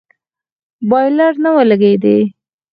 بايلر نه و لگېدلى.